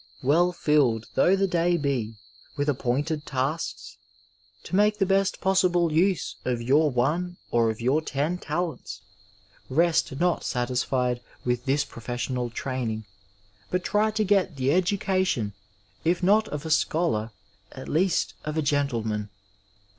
Well filled though the day be with appointed tasks, to make the best possible use of your one or of your ten talents, rest not satisfied with this professional training, but try to get the education, if not of a scholar, at least of a gentleman.